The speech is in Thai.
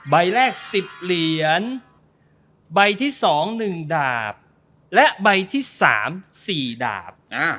ใบแรก๑๐เหรียญใบที่๒๑ดาบและใบที่๓๔ดาบ